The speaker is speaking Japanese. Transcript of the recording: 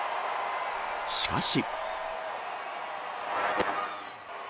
しかし。